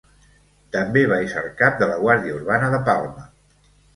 També va esser cap de la Guàrdia Urbana de Palma.